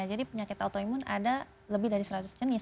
jadi penyakit autoimun ada lebih dari seratus jenis